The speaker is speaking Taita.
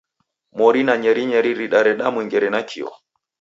Mori na nyerinyeri ridareda mwengere nakio.